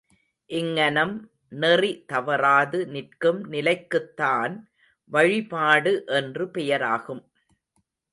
இங்ஙனம் நெறி தவறாது நிற்கும் நிலைக்குத்தான் வழிபாடு என்று பெயராகும்.